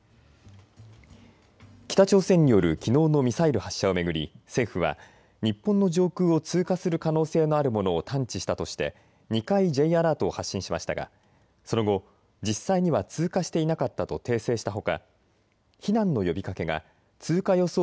北朝鮮によるきのうのミサイル発射を巡り政府は日本の上空を通過する可能性のあるものを探知したとして２回Ｊアラートを発信しましたがその後、実際には通過していなかったと訂正したほか、避難の呼びかけが通過予想